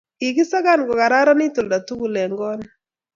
Kikisakan ko kararanit oldo tugul eng' koot ni